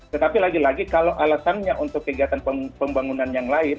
tetapi lagi lagi kalau alasannya untuk kegiatan pembangunan yang lain